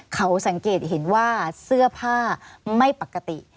เขาสังเกตเห็นว่าเสื้อผ้าไม่ปกติ